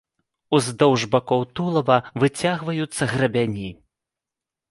Уздоўж бакоў тулава выцягваюцца грабяні.